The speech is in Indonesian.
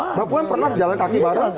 papua yang pernah jalan kaki bareng